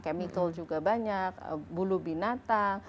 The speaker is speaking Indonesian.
chemical juga banyak bulu binatang